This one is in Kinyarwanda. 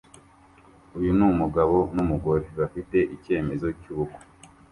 Uyu numugabo numugore bafite icyemezo cyubukwe